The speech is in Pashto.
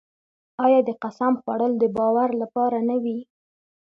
آیا د قسم خوړل د باور لپاره نه وي؟